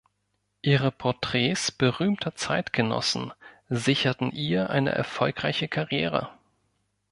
Ihre Porträts berühmter Zeitgenossen sicherten ihr eine erfolgreiche Karriere.